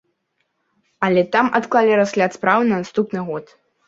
Але там адклалі разгляд справы на наступны год.